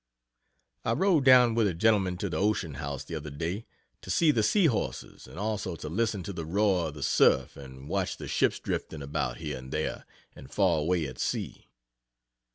I rode down with a gentleman to the Ocean House, the other day, to see the sea horses, and also to listen to the roar of the surf, and watch the ships drifting about, here, and there, and far away at sea.